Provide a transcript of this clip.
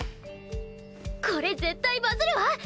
これ絶対バズるわ！